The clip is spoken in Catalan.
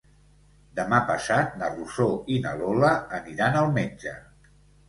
Demà passat na Rosó i na Lola aniran al metge.